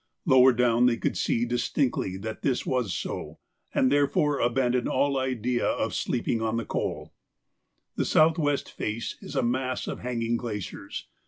Lower down they could see distinctly that this was so, and therefore abandoned all idea of sleeping on the col. The south west face is a mass of hanging glaciers.